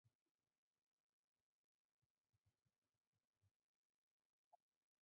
阿库别瑞度规。